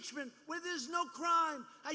di mana tidak ada kebohongan